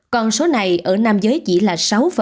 còn số này ở nam giới chỉ là sáu